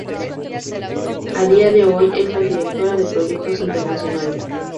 A día de hoy es la directora de proyectos internacionales.